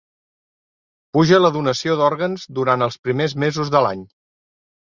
Puja la donació d'òrgans durant els primers mesos de l'any